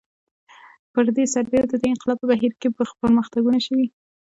پر دې سربېره د دې انقلاب په بهیر کې پرمختګونه شوي